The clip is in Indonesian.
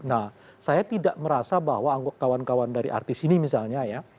mereka merasa bahwa kawan kawan dari artis ini misalnya ya